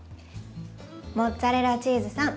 モッツァレラチーズさん